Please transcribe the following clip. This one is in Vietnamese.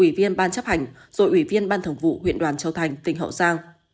ủy viên ban chấp hành rồi ủy viên ban thường vụ huyện đoàn châu thành tỉnh hậu giang